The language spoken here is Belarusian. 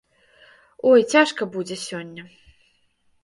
Ой, цяжка будзе сёння.